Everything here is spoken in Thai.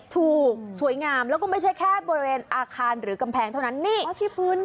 ถูกสวยงามแล้วก็ไม่ใช่แค่บริเวณอาคารหรือกำแพงเท่านั้นนี่